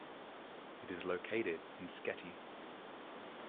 It is located in Sketty.